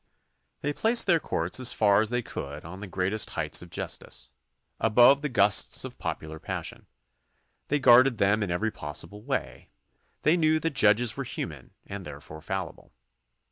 They placed their courts as far as they could on the great heights of justice, above the gusts of popular passion. They guarded them in every possible way. They knew that judges were human and therefore fallible.